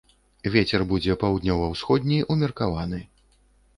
Вецер будзе паўднёва-ўсходні, умеркаваны.